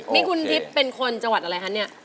นี่คุณทริปเป็นคนจังหวัดอะไรครับนี่